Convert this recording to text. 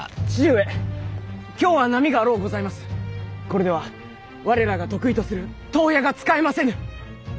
これでは我らが得意とする遠矢が使えませぬ。